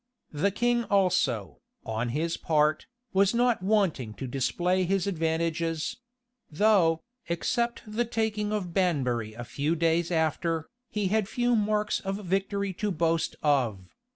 [] The king also, on his part, was not wanting to display his advantages; though, except the taking of Banbury a few days after, he had few marks of victory to boast of.